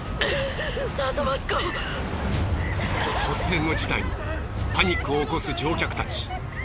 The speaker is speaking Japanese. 突然の事態にパニックを起こす乗客たち。